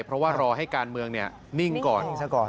เพราะว่ารอให้การเมืองนิ่งก่อน